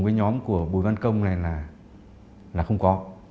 với nhóm của bùi văn công này là không có